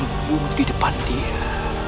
menghubungi di depan dia